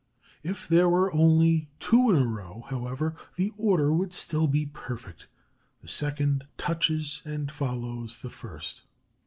If there were only two in a row, however, the order would still be perfect: the second touches and follows the first.